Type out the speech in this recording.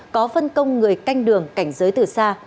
có phân công người canh đường cảnh giới từ xa